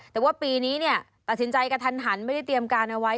แต่ว่าปีนี้เนี่ยตัดสินใจกระทันหันไม่ได้เตรียมการเอาไว้